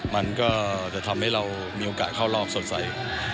มันก็จะทำให้เรามีโอกาสเข้ารอบสดใส